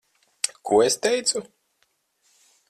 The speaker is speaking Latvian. Ko es teicu?